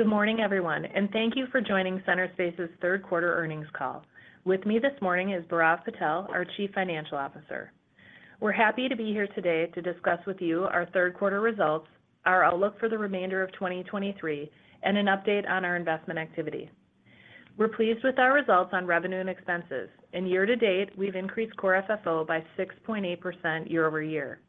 Good morning, everyone, and thank you for joining Centerspace's Third Quarter Earnings Call. With me this morning is Bhairav Patel, our Chief Financial Officer. We're happy to be here today to discuss with you our third quarter results, our outlook for the remainder of 2023, and an update on our investment activity. We're pleased with our results on revenue and expenses, and year-to-date, we've increased Core FFO by 6.8% year-over-year.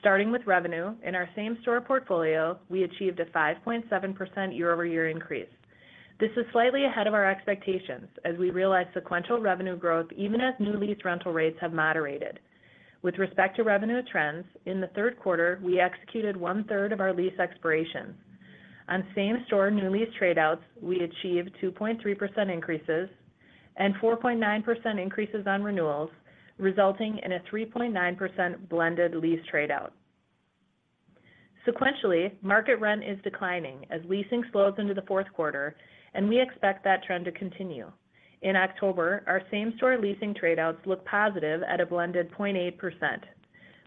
Starting with revenue, in our same-store portfolio, we achieved a 5.7% year-over-year increase. This is slightly ahead of our expectations as we realize sequential revenue growth, even as new lease rental rates have moderated. With respect to revenue trends, in the third quarter, we executed one-third of our lease expirations. On same-store new lease trade-outs, we achieved 2.3% increases and 4.9% increases on renewals, resulting in a 3.9% blended lease trade-out. Sequentially, market rent is declining as leasing slows into the fourth quarter, and we expect that trend to continue. In October, our same-store leasing trade-outs look positive at a blended 0.8%,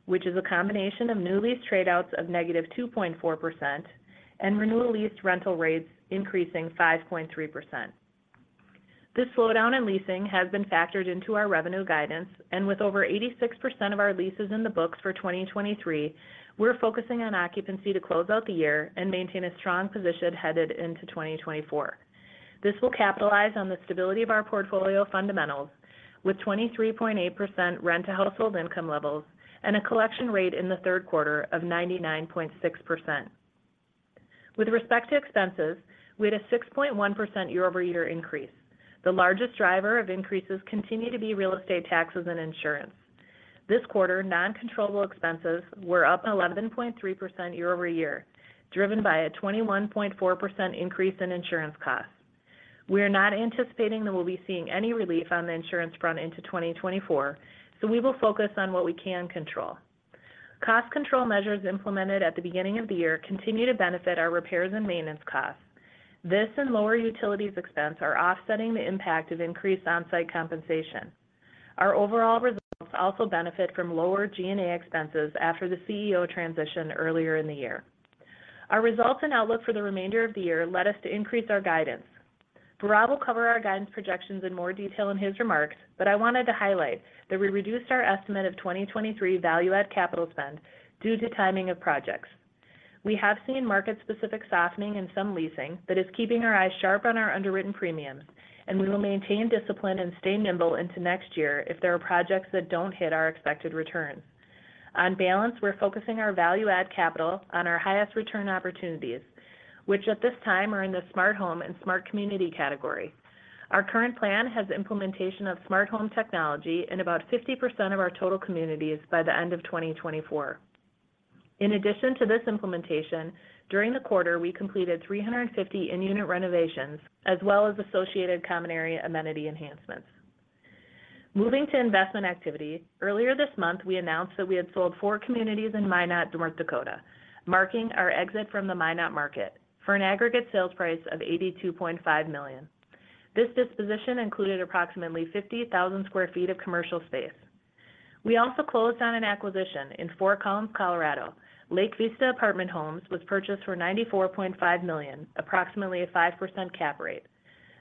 which is a combination of new lease trade-outs of -2.4% and renewal lease rental rates increasing 5.3%. This slowdown in leasing has been factored into our revenue guidance, and with over 86% of our leases in the books for 2023, we're focusing on occupancy to close out the year and maintain a strong position headed into 2024. This will capitalize on the stability of our portfolio fundamentals with 23.8% rent to household income levels and a collection rate in the third quarter of 99.6%. With respect to expenses, we had a 6.1% year-over-year increase. The largest driver of increases continue to be real estate taxes and insurance. This quarter, non-controllable expenses were up 11.3% year-over-year, driven by a 21.4% increase in insurance costs. We are not anticipating that we'll be seeing any relief on the insurance front into 2024, so we will focus on what we can control. Cost control measures implemented at the beginning of the year continue to benefit our repairs and maintenance costs. This and lower utilities expense are offsetting the impact of increased on-site compensation. Our overall results also benefit from lower G&A expenses after the CEO transition earlier in the year. Our results and outlook for the remainder of the year led us to increase our guidance. Bhairav will cover our guidance projections in more detail in his remarks, but I wanted to highlight that we reduced our estimate of 2023 value-add capital spend due to timing of projects. We have seen market-specific softening in some leasing that is keeping our eyes sharp on our underwritten premiums, and we will maintain discipline and stay nimble into next year if there are projects that don't hit our expected return. On balance, we're focusing our value-add capital on our highest return opportunities, which at this time are in the smart home and smart community category. Our current plan has implementation of smart home technology in about 50% of our total communities by the end of 2024. In addition to this implementation, during the quarter, we completed 350 in-unit renovations, as well as associated common area amenity enhancements. Moving to investment activity, earlier this month, we announced that we had sold four communities in Minot, North Dakota, marking our exit from the Minot market for an aggregate sales price of $82.5 million. This disposition included approximately 50,000 sq ft of commercial space. We also closed on an acquisition in Fort Collins, Colorado. Lake Vista Apartment Homes was purchased for $94.5 million, approximately a 5% cap rate.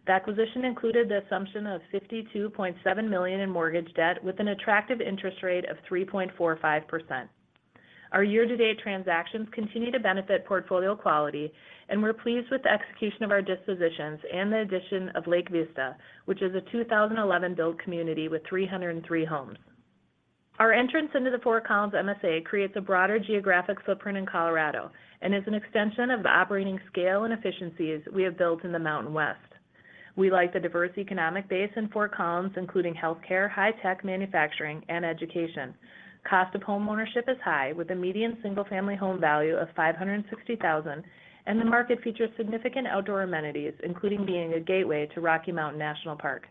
The acquisition included the assumption of $52.7 million in mortgage debt with an attractive interest rate of 3.45%. Our year-to-date transactions continue to benefit portfolio quality, and we're pleased with the execution of our dispositions and the addition of Lake Vista, which is a 2011 build community with 303 homes. Our entrance into the Fort Collins MSA creates a broader geographic footprint in Colorado and is an extension of the operating scale and efficiencies we have built in the Mountain West. We like the diverse economic base in Fort Collins, including healthcare, high tech, manufacturing, and education. Cost of homeownership is high, with a median single-family home value of $560,000, and the market features significant outdoor amenities, including being a gateway to Rocky Mountain National Park.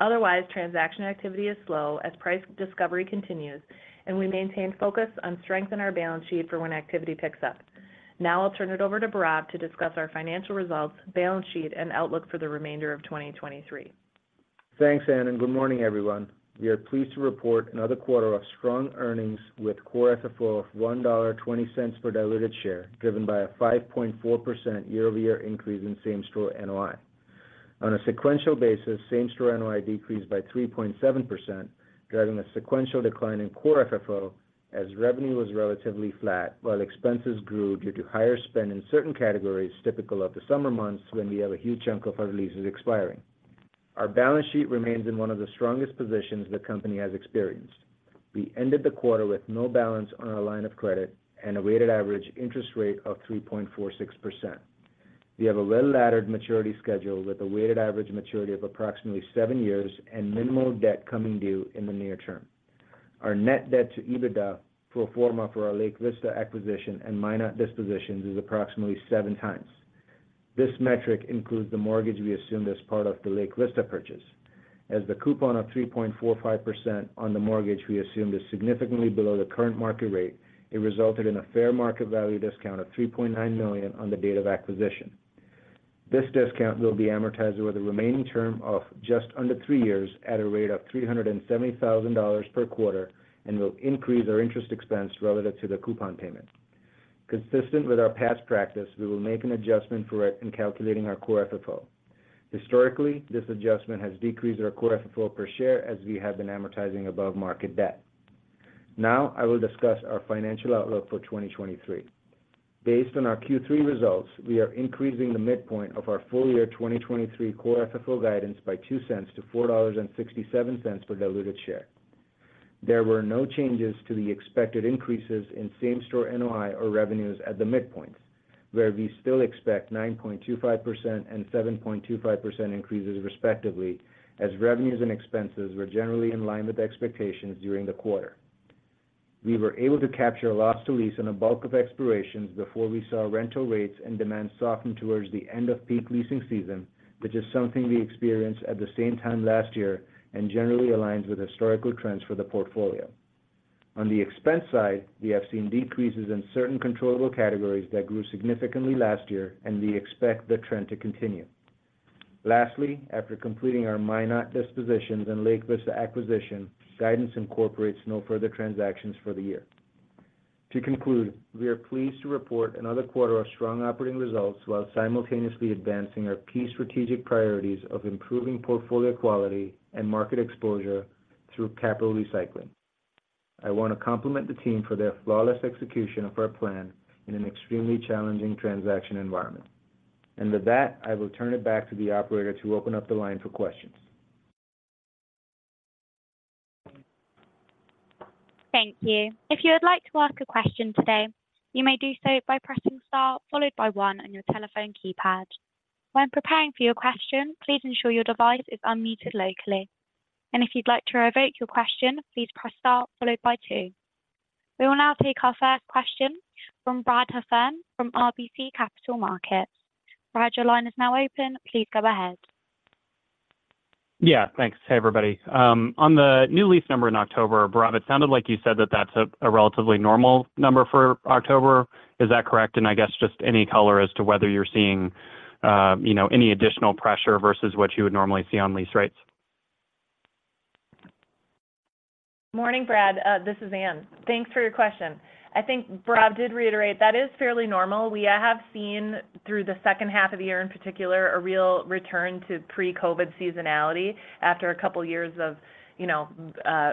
Otherwise, transaction activity is slow as price discovery continues, and we maintain focus on strength in our balance sheet for when activity picks up. Now I'll turn it over to Bhairav to discuss our financial results, balance sheet, and outlook for the remainder of 2023. Thanks, Anne, and good morning, everyone. We are pleased to report another quarter of strong earnings with Core FFO of $1.20 per diluted share, driven by a 5.4% year-over-year increase in same-store NOI. On a sequential basis, same-store NOI decreased by 3.7%, driving a sequential decline in Core FFO as revenue was relatively flat while expenses grew due to higher spend in certain categories, typical of the summer months when we have a huge chunk of our leases expiring. Our balance sheet remains in one of the strongest positions the company has experienced. We ended the quarter with no balance on our line of credit and a weighted average interest rate of 3.46%. We have a well-laddered maturity schedule with a weighted average maturity of approximately 7 years and minimal debt coming due in the near term. Our net debt to EBITDA, pro forma for our Lake Vista acquisition and Minot dispositions, is approximately 7x. This metric includes the mortgage we assumed as part of the Lake Vista purchase. As the coupon of 3.45% on the mortgage we assumed is significantly below the current market rate, it resulted in a fair market value discount of $3.9 million on the date of acquisition. This discount will be amortized over the remaining term of just under 3 years at a rate of $370,000 per quarter, and will increase our interest expense relative to the coupon payment. Consistent with our past practice, we will make an adjustment for it in calculating our core FFO. Historically, this adjustment has decreased our Core FFO per share as we have been amortizing above-market debt. Now, I will discuss our financial outlook for 2023. Based on our Q3 results, we are increasing the midpoint of our full-year 2023 Core FFO guidance by $0.02 to $4.67 per diluted share. There were no changes to the expected increases in same-store NOI or revenues at the midpoints, where we still expect 9.25% and 7.25% increases respectively, as revenues and expenses were generally in line with expectations during the quarter. We were able to capture a Loss to Lease on a bulk of expirations before we saw rental rates and demand soften towards the end of peak leasing season, which is something we experienced at the same time last year and generally aligns with historical trends for the portfolio. On the expense side, we have seen decreases in certain controllable categories that grew significantly last year, and we expect the trend to continue. Lastly, after completing our Minot dispositions and Lake Vista acquisition, guidance incorporates no further transactions for the year. To conclude, we are pleased to report another quarter of strong operating results while simultaneously advancing our key strategic priorities of improving portfolio quality and market exposure through capital recycling. I want to compliment the team for their flawless execution of our plan in an extremely challenging transaction environment. With that, I will turn it back to the operator to open up the line for questions. Thank you. If you would like to ask a question today, you may do so by pressing star followed by one on your telephone keypad. When preparing for your question, please ensure your device is unmuted locally. And if you'd like to revoke your question, please press star followed by two. We will now take our first question from Brad Heffern from RBC Capital Markets. Brad, your line is now open. Please go ahead. Yeah, thanks. Hey, everybody. On the new lease number in October, Bhairav, it sounded like you said that that's a relatively normal number for October. Is that correct? And I guess just any color as to whether you're seeing, you know, any additional pressure versus what you would normally see on lease rates. Morning, Brad. This is Anne. Thanks for your question. I think Bhairav did reiterate that is fairly normal. We have seen through the second half of the year, in particular, a real return to pre-COVID seasonality after a couple of years of, you know,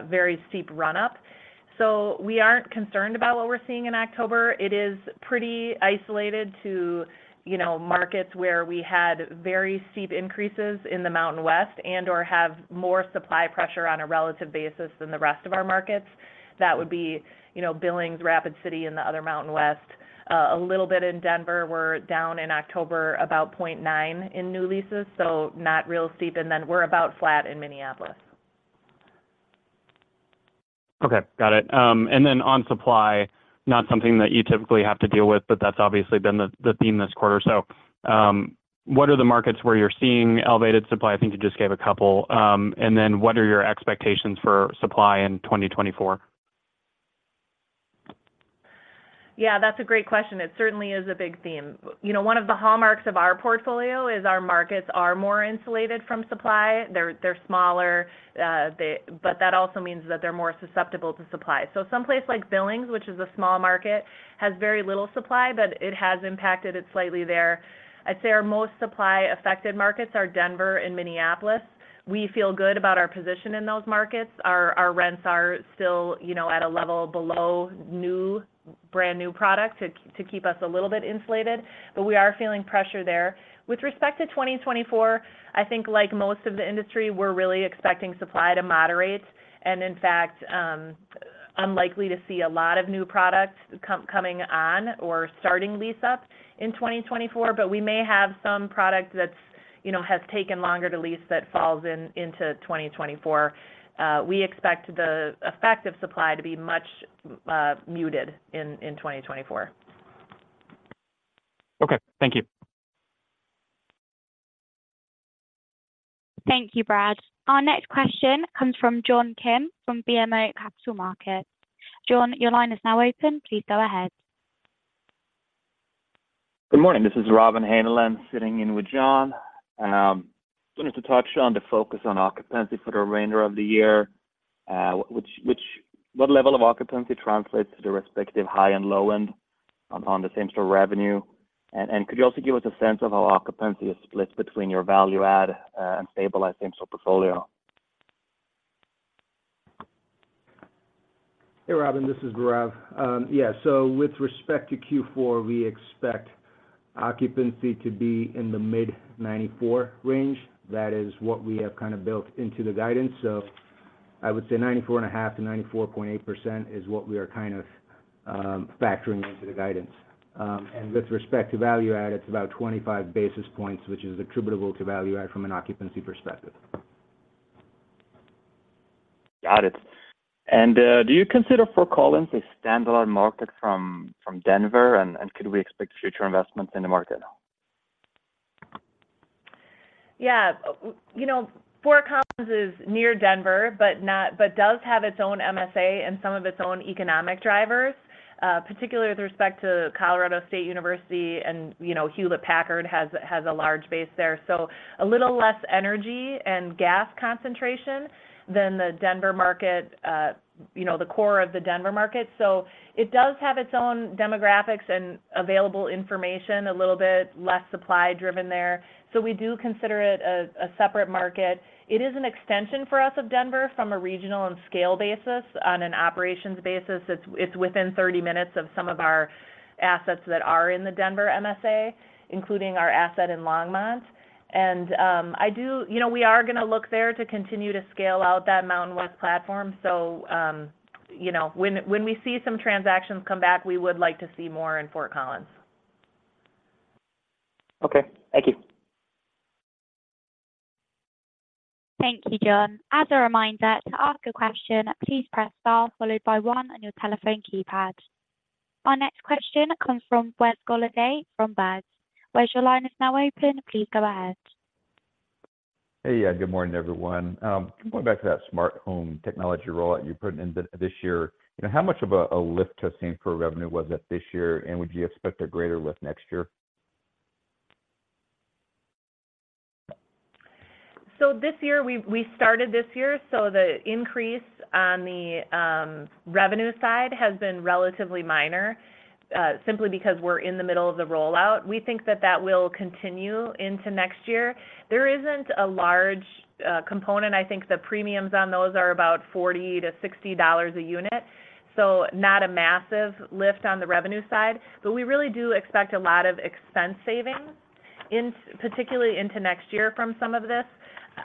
very steep run-up. So we aren't concerned about what we're seeing in October. It is pretty isolated to, you know, markets where we had very steep increases in the Mountain West and/or have more supply pressure on a relative basis than the rest of our markets. That would be, you know, Billings, Rapid City, and the other Mountain West. A little bit in Denver, we're down in October, about 0.9% in new leases, so not real steep, and then we're about flat in Minneapolis. Okay, got it. And then on supply, not something that you typically have to deal with, but that's obviously been the theme this quarter. So, what are the markets where you're seeing elevated supply? I think you just gave a couple. And then what are your expectations for supply in 2024? Yeah, that's a great question. It certainly is a big theme. You know, one of the hallmarks of our portfolio is our markets are more insulated from supply. They're smaller, but that also means that they're more susceptible to supply. So someplace like Billings, which is a small market, has very little supply, but it has impacted it slightly there. I'd say our most supply-affected markets are Denver and Minneapolis. We feel good about our position in those markets. Our rents are still, you know, at a level below new, brand-new product to keep us a little bit insulated, but we are feeling pressure there. With respect to 2024, I think like most of the industry, we're really expecting supply to moderate, and in fact, unlikely to see a lot of new product coming on or starting lease up in 2024, but we may have some product that's, you know, has taken longer to lease that falls into 2024. We expect the effect of supply to be much muted in 2024. Okay, thank you. Thank you, Brad. Our next question comes from John Kim from BMO Capital Markets. John, your line is now open. Please go ahead. Good morning. This is Robin Haneland, sitting in with John. I wanted to touch on the focus on occupancy for the remainder of the year. Which—what level of occupancy translates to the respective high and low end on the same-store revenue? And could you also give us a sense of how occupancy is split between your value add and stabilized same-store portfolio? Hey, Robin, this is Bhairav. Yeah, so with respect to Q4, we expect occupancy to be in the mid-94 range. That is what we have built into the guidance. So I would say 94.5%-94.8% is what we are kind of factoring into the guidance. And with respect to value add, it's about 25 basis points, which is attributable to value add from an occupancy perspective. Got it. Do you consider Fort Collins a standalone market from Denver, and could we expect future investments in the market? ... Yeah, you know, Fort Collins is near Denver, but does have its own MSA and some of its own economic drivers, particularly with respect to Colorado State University and, you know, Hewlett-Packard has a large base there. So a little less energy and gas concentration than the Denver market, you know, the core of the Denver market. So it does have its own demographics and available information, a little bit less supply-driven there. So we do consider it a separate market. It is an extension for us of Denver from a regional and scale basis. On an operations basis, it's within 30 minutes of some of our assets that are in the Denver MSA, including our asset in Longmont. And, you know, we are going to look there to continue to scale out that Mountain West platform. You know, when we see some transactions come back, we would like to see more in Fort Collins. Okay. Thank you. Thank you, John. As a reminder, to ask a question, please press star followed by one on your telephone keypad. Our next question comes from Wes Golladay, from Baird. Wes, your line is now open. Please go ahead. Hey, yeah, good morning, everyone. Going back to that smart home technology rollout you put in this year, you know, how much of a lift to same-store revenue was that this year, and would you expect a greater lift next year? So this year, we started this year, so the increase on the revenue side has been relatively minor, simply because we're in the middle of the rollout. We think that that will continue into next year. There isn't a large component. I think the premiums on those are about $40-$60 a unit, so not a massive lift on the revenue side, but we really do expect a lot of expense savings in, particularly into next year from some of this.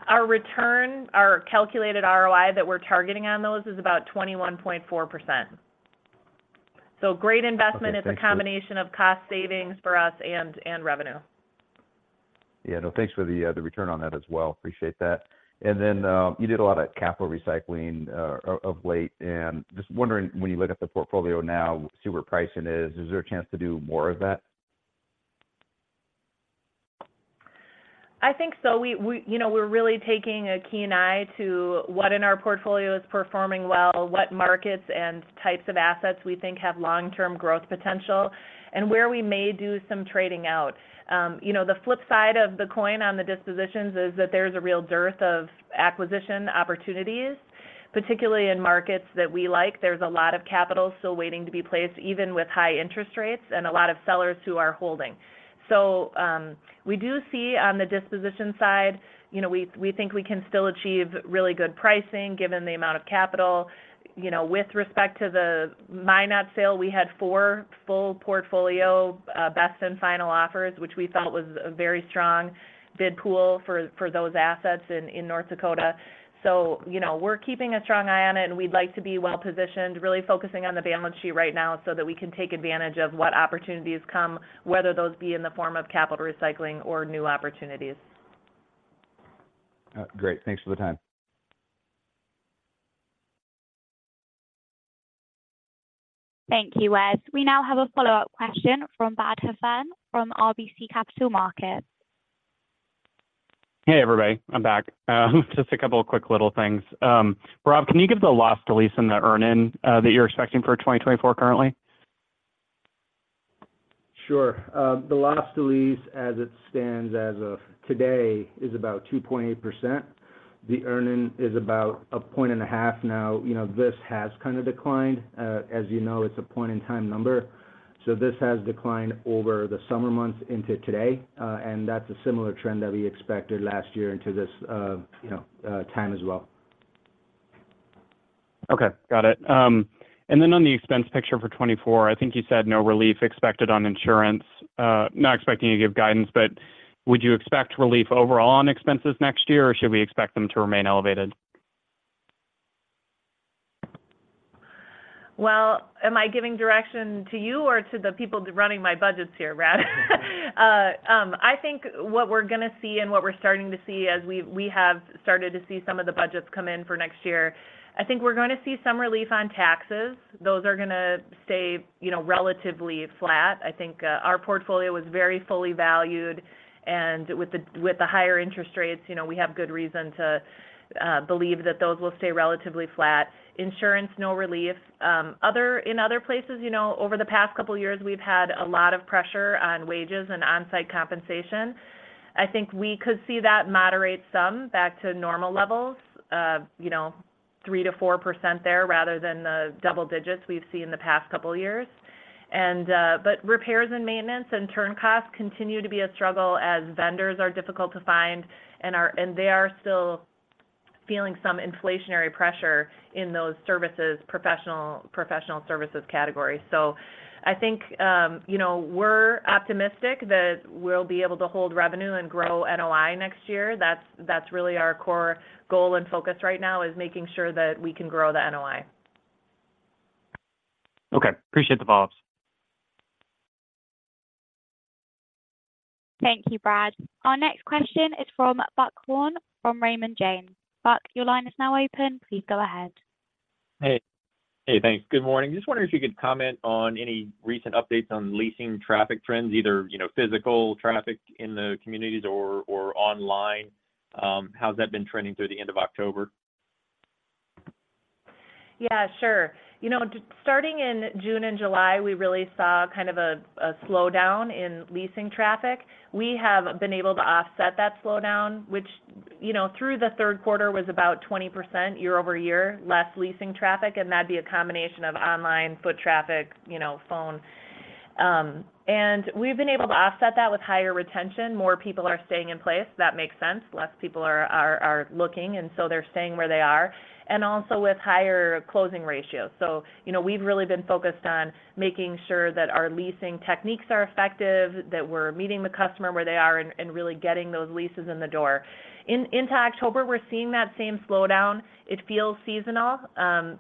Our return, our calculated ROI that we're targeting on those is about 21.4%. So great investment. Okay, thank you. - is a combination of cost savings for us and revenue. Yeah, no, thanks for the, the return on that as well. Appreciate that. And then, you did a lot of capital recycling of late, and just wondering, when you look at the portfolio now, see where pricing is, is there a chance to do more of that? I think so. We, you know, we're really taking a keen eye to what in our portfolio is performing well, what markets and types of assets we think have long-term growth potential, and where we may do some trading out. You know, the flip side of the coin on the dispositions is that there's a real dearth of acquisition opportunities, particularly in markets that we like. There's a lot of capital still waiting to be placed, even with high interest rates and a lot of sellers who are holding. So, we do see on the disposition side, you know, we think we can still achieve really good pricing, given the amount of capital. You know, with respect to the Minot sale, we had four full portfolio best and final offers, which we felt was a very strong bid pool for those assets in North Dakota. So, you know, we're keeping a strong eye on it, and we'd like to be well-positioned, really focusing on the balance sheet right now so that we can take advantage of what opportunities come, whether those be in the form of capital recycling or new opportunities. Great. Thanks for the time. Thank you, Wes. We now have a follow-up question from Brad Heffern from RBC Capital Markets. Hey, everybody, I'm back. Just a couple of quick little things. Bhairav, can you give the loss to lease and the earn-in that you're expecting for 2024 currently? Sure. The loss to lease, as it stands as of today, is about 2.8%. The earn-in is about 1.5 now. You know, this has kind of declined. As you know, it's a point-in-time number, so this has declined over the summer months into today, and that's a similar trend that we expected last year into this, you know, time as well. Okay, got it. And then on the expense picture for 2024, I think you said no relief expected on insurance. Not expecting you to give guidance, but would you expect relief overall on expenses next year, or should we expect them to remain elevated? Well, am I giving direction to you or to the people running my budgets here, Brad? I think what we're going to see and what we're starting to see as we have started to see some of the budgets come in for next year, I think we're going to see some relief on taxes. Those are gonna stay, you know, relatively flat. I think, our portfolio was very fully valued, and with the higher interest rates, you know, we have good reason to believe that those will stay relatively flat. Insurance, no relief. In other places, you know, over the past couple of years, we've had a lot of pressure on wages and on-site compensation. I think we could see that moderate some back to normal levels, you know, 3%-4% there, rather than the double digits we've seen in the past couple of years. And, but repairs and maintenance and turn costs continue to be a struggle as vendors are difficult to find, and they are still feeling some inflationary pressure in those services, professional services category. So I think, you know, we're optimistic that we'll be able to hold revenue and grow NOI next year. That's really our core goal and focus right now, is making sure that we can grow the NOI. Okay. Appreciate the follow-ups. Thank you, Brad. Our next question is from Buck Horne, from Raymond James. Buck, your line is now open. Please go ahead. Hey, thanks. Good morning. Just wondering if you could comment on any recent updates on leasing traffic trends, either, you know, physical traffic in the communities or online. How's that been trending through the end of October? Yeah, sure. You know, starting in June and July, we really saw kind of a slowdown in leasing traffic. We have been able to offset that slowdown, which, you know, through the third quarter was about 20% year-over-year less leasing traffic, and that'd be a combination of online, foot traffic, you know, phone. And we've been able to offset that with higher retention. More people are staying in place. That makes sense. Less people are looking, and so they're staying where they are, and also with higher closing ratios. So, you know, we've really been focused on making sure that our leasing techniques are effective, that we're meeting the customer where they are, and really getting those leases in the door. Into October, we're seeing that same slowdown. It feels seasonal.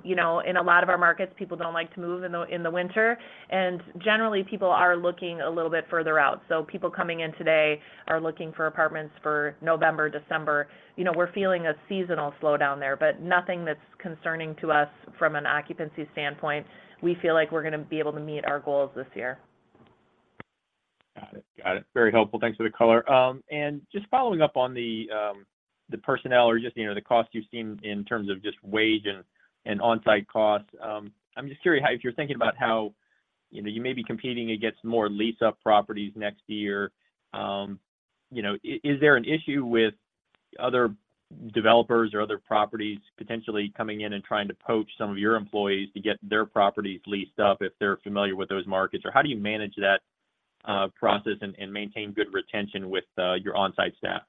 You know, in a lot of our markets, people don't like to move in the winter, and generally, people are looking a little bit further out. So people coming in today are looking for apartments for November, December. You know, we're feeling a seasonal slowdown there, but nothing that's concerning to us from an occupancy standpoint. We feel like we're going to be able to meet our goals this year. Got it. Got it. Very helpful. Thanks for the color. And just following up on the personnel or just, you know, the cost you've seen in terms of just wage and on-site costs. I'm just curious how, if you're thinking about how, you know, you may be competing against more lease-up properties next year, you know, is there an issue with other developers or other properties potentially coming in and trying to poach some of your employees to get their properties leased up if they're familiar with those markets? Or how do you manage that process and maintain good retention with your on-site staff?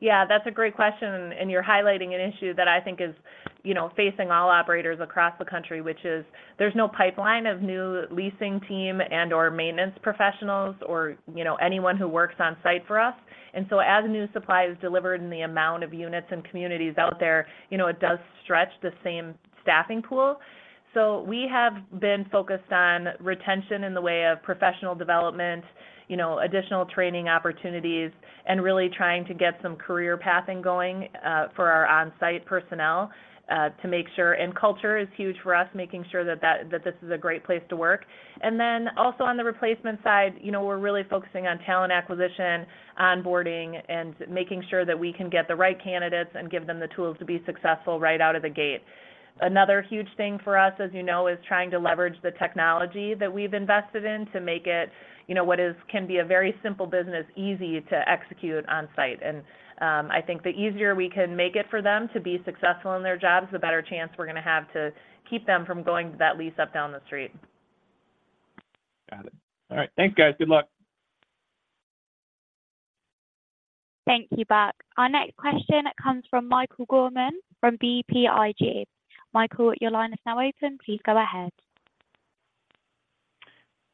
Yeah, that's a great question, and you're highlighting an issue that I think is, you know, facing all operators across the country, which is there's no pipeline of new leasing team and/or maintenance professionals or, you know, anyone who works on site for us. And so as new supply is delivered in the amount of units and communities out there, you know, it does stretch the same staffing pool. So we have been focused on retention in the way of professional development, you know, additional training opportunities, and really trying to get some career pathing going for our on-site personnel to make sure. And culture is huge for us, making sure that this is a great place to work. And then also on the replacement side, you know, we're really focusing on talent acquisition, onboarding, and making sure that we can get the right candidates and give them the tools to be successful right out of the gate. Another huge thing for us, as you know, is trying to leverage the technology that we've invested in to make it, you know, what can be a very simple business, easy to execute on site. And, I think the easier we can make it for them to be successful in their jobs, the better chance we're going to have to keep them from going to that lease up down the street. Got it. All right. Thanks, guys. Good luck. Thank you, Buck. Our next question comes from Michael Gorman, from BTIG. Michael, your line is now open. Please go ahead.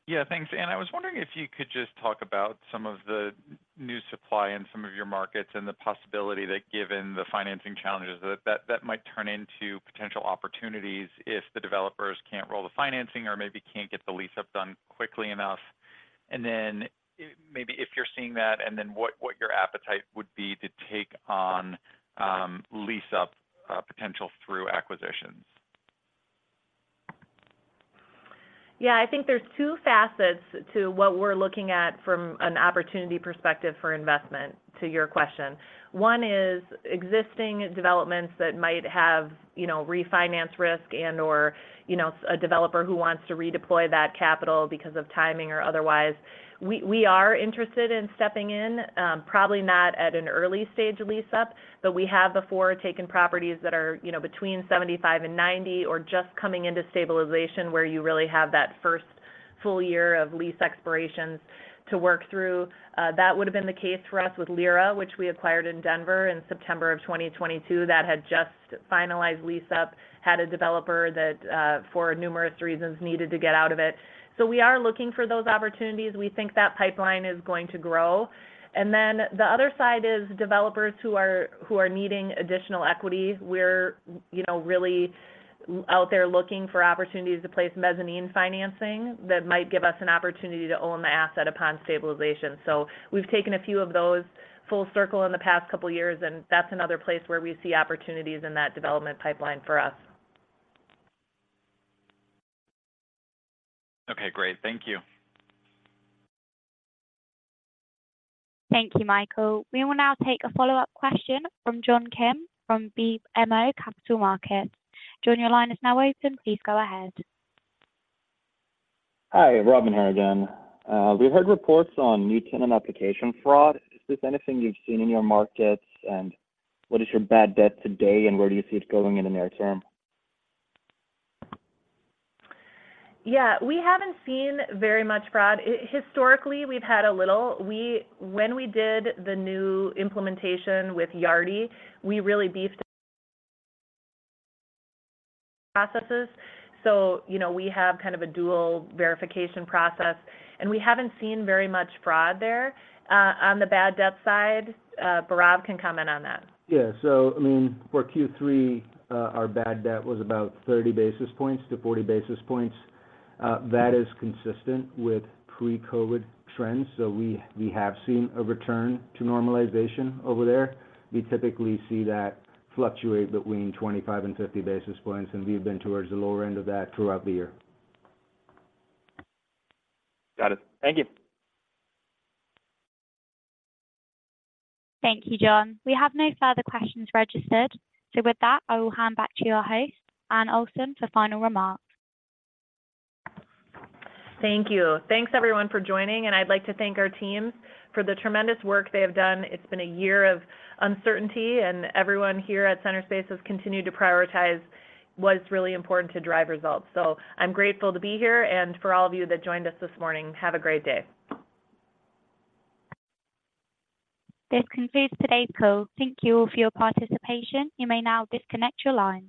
Yeah, thanks. I was wondering if you could just talk about some of the new supply in some of your markets and the possibility that given the financing challenges, that might turn into potential opportunities if the developers can't roll the financing or maybe can't get the lease-up done quickly enough. And then maybe if you're seeing that, and then what your appetite would be to take on lease-up potential through acquisitions. Yeah, I think there's two facets to what we're looking at from an opportunity perspective for investment, to your question. One is existing developments that might have, you know, refinance risk and/or, you know, a developer who wants to redeploy that capital because of timing or otherwise. We, we are interested in stepping in, probably not at an early stage of lease-up, but we have before taken properties that are, you know, between 75 and 90 or just coming into stabilization, where you really have that first full year of lease expirations to work through. That would have been the case for us with Lyra, which we acquired in Denver in September of 2022. That had just finalized lease-up, had a developer that, for numerous reasons, needed to get out of it. So we are looking for those opportunities. We think that pipeline is going to grow. Then the other side is developers who are needing additional equity. We're, you know, really out there looking for opportunities to place mezzanine financing that might give us an opportunity to own the asset upon stabilization. So we've taken a few of those full circle in the past couple of years, and that's another place where we see opportunities in that development pipeline for us. Okay, great. Thank you. Thank you, Michael. We will now take a follow-up question from John Kim from BMO Capital Markets. John, your line is now open. Please go ahead. Hi, Robin here again. We heard reports on new tenant application fraud. Is this anything you've seen in your markets? And what is your bad debt today, and where do you see it going in the near term? Yeah, we haven't seen very much fraud. Historically, we've had a little. When we did the new implementation with Yardi, we really beefed processes. So, you know, we have kind of a dual verification process, and we haven't seen very much fraud there. On the bad debt side, Bhairav can comment on that. Yeah. So I mean, for Q3, our bad debt was about 30 basis points-40 basis points. That is consistent with pre-COVID trends, so we have seen a return to normalization over there. We typically see that fluctuate between 25 and 50 basis points, and we've been towards the lower end of that throughout the year. Got it. Thank you. Thank you, John. We have no further questions registered. So with that, I will hand back to your host, Anne Olson, for final remarks. Thank you. Thanks, everyone, for joining, and I'd like to thank our teams for the tremendous work they have done. It's been a year of uncertainty, and everyone here at Centerspace has continued to prioritize what is really important to drive results. So I'm grateful to be here, and for all of you that joined us this morning, have a great day. This concludes today's call. Thank you all for your participation. You may now disconnect your line.